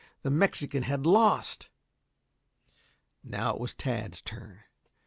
The Mexican had lost. Now it was Tad's turn.